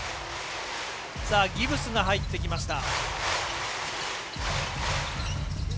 ギブスが入ってきました。